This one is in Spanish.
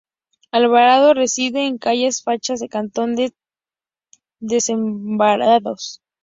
Alvarado reside en Calle Fallas de Cantón de Desamparados.